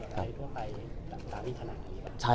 กับการวิทยาลัย